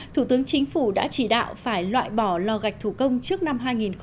thủ tướng chính phủ đã chỉ đạo phải loại bỏ lò gạch thủ công trước năm hai nghìn hai mươi